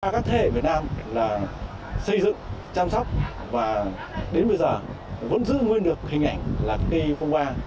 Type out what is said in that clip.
các thế hệ việt nam là xây dựng chăm sóc và đến bây giờ vẫn giữ nguyên được hình ảnh là cây phong hoa